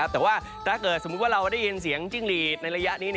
แต่ว่าถ้าเกิดได้ยินเสียงจริงหรีทในระยะนี้